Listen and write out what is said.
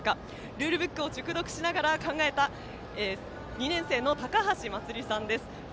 ルールブックを熟読しながら考えた２年生のたかはしまつりさんです。